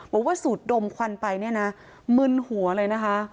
บอกว่าสูดดมขวันไปนะหมื่นหัวเลยนะคะ